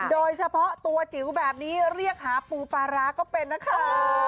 โดยเฉพาะตัวจิ๋วแบบนี้เรียกหาปูปลาร้าก็เป็นนะคะ